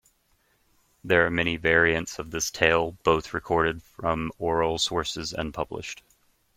There are many variants of this tale, both recorded from oral sources and published.